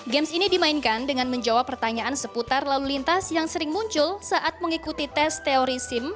games ini dimainkan dengan menjawab pertanyaan seputar lalu lintas yang sering muncul saat mengikuti tes teori sim